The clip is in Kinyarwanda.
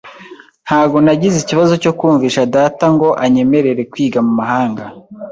Ntabwo nagize ikibazo cyo kumvisha data ngo anyemerere kwiga mu mahanga.